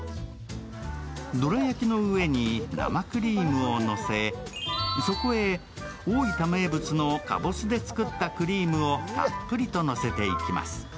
どら焼きの上に生クリームをのせそこへ大分名物のかぼすで作ったクリームをたっぷりとのせていきます。